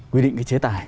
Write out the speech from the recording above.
quy định cái chế tài